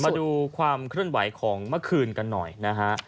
มาดูความเคลื่อนไหวของเมื่อคืนกันหน่อยนะฮะ